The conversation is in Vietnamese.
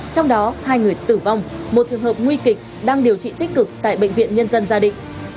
trong đó hai người tử vong một trường hợp nguy kịch đang điều trị tích cực tại bệnh viện nhân dân gia định